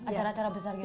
acara acara besar gitu